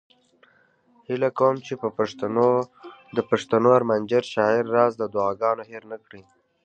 هیله کوم چې د پښتنو ارمانجن شاعر راز له دعاګانو هیر نه کړي